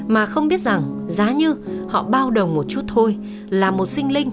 mà không biết rằng giá như họ bao đồng một chút thôi là một sinh linh